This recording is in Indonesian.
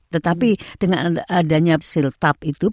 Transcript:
tetapi dengan adanya siltab itu